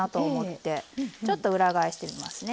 ちょっと裏返してみますね。